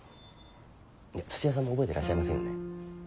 土屋さんも覚えてらっしゃいませんよね？